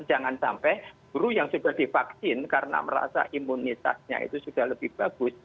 jangan sampai guru yang sudah divaksin karena merasa imunitasnya itu sudah lebih bagus